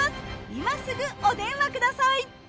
今すぐお電話ください！